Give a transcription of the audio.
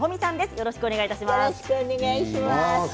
よろしくお願いします。